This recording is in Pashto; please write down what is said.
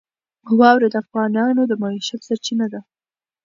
واوره د افغانانو د معیشت سرچینه ده.